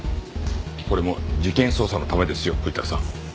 これも事件捜査のためですよ藤田さん。